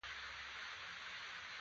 تر فاتحې وروسته میر بازار ته لاړم.